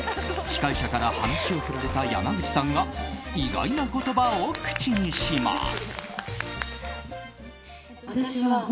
司会者から話を振られた山口さんが意外な言葉を口にします。